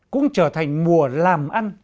cũng trở thành mùa làm ăn